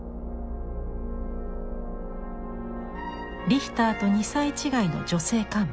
リヒターと２歳違いの女性幹部。